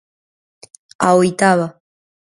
A oitava.